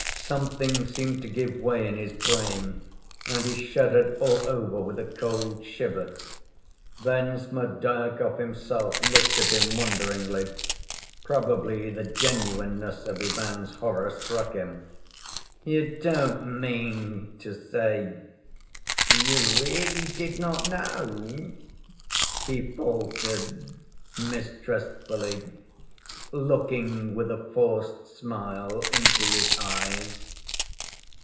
Something seemed to give way in his brain, and he shuddered all over with a cold shiver. Then Smerdyakov himself looked at him wonderingly; probably the genuineness of Ivan's horror struck him. "You don't mean to say you really did not know?" he faltered mistrustfully, looking with a forced smile into his eyes.